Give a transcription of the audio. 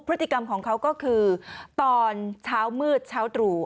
พฤติกรรมของเขาก็คือตอนเช้ามืดเช้าตรู่